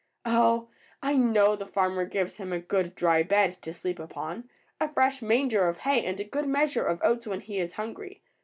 Oh! I know the farmer gives him a good, dry bed to sleep upon, a fresh manger of hay and a good measure of oats when he is hungry.